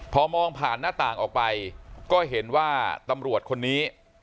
พอมองผ่านหน้าต่างออกไปก็เห็นว่าตำรวจคนนี้